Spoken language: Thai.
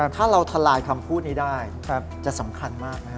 ถ้าเราทลายคำพูดนี้ได้จะสำคัญมากนะครับ